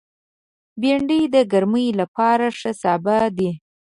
بېنډۍ د ګرمۍ لپاره ښه سابه دی